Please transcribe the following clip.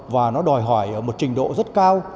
và nó đòi hỏi ở một trình độ rất cao